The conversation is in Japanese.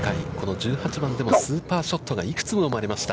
１８番でもスーパーショットが幾つも生まれました。